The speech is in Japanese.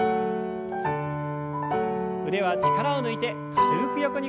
腕は力を抜いて軽く横に振りましょう。